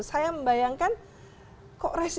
saya membayangkan kok resmi